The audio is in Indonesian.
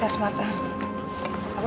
ke tempat yang sama